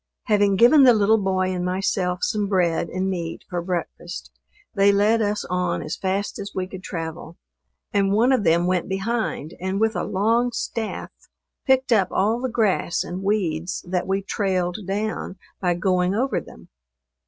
Having given the little boy and myself some bread and meat for breakfast, they led us on as fast as we could travel, and one of them went behind and with a long staff, picked up all the grass and weeds that we trailed down by going over them.